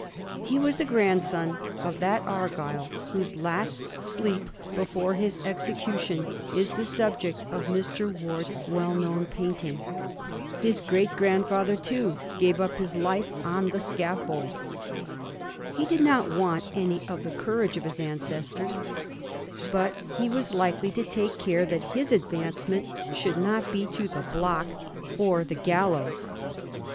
He was the grandson of that Argyll whose last sleep before his execution is the subject of Mr. Ward's well known painting ; his great grandfather, too, gave up his life on the scaffold. He did not want any of the courage of his ancestors ; but he was likely to take care that his advancement should not be to the block or the Digiti zed by Google 1714 THE COUP d'etat. 59 gallows.